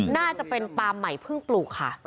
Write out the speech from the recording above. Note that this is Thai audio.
น่าจะเป็นปลาใหม่เพิ่งปลูกค่ะ